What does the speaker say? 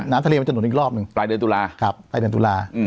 ทะเลมันจะหนุนอีกรอบหนึ่งปลายเดือนตุลาปลายเดือนตุลา